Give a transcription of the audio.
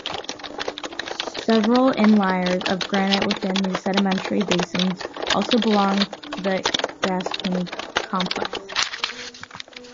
Several inliers of granite within these sedimentary basins also belong to the Gascoyne Complex.